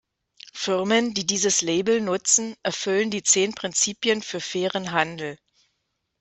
Firmen, die dieses Label nutzen, erfüllen die zehn Prinzipien für fairen Handel.